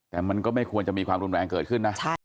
แต่มันก็ไม่ควรจะมีความรุนแรงเกิดขึ้นนะ